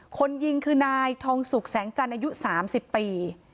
คนยิงคือนายทองสุกแสงจันทร์อายุ๓๐ปี